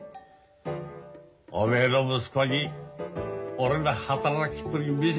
おめえの息子に俺の働きっぷり見せてやるからな。